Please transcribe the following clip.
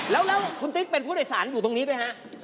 แล้วคุณติ๊กเป็นผู้โดยสารอยู่ตรงนี้ด้วยฮะ